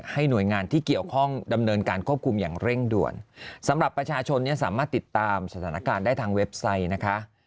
หน่วยงานที่เกี่ยวข้องดำเนินการควบคุมอย่างเร่งด่วนสำหรับประชาชนเนี่ยสามารถติดตามสถานการณ์ได้ทางเว็บไซต์นะคะ